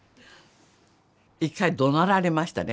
一回どなられましたね